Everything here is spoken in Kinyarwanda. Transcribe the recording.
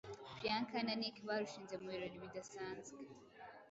Priyanka na Nick barushinze mu birori bidasanzwe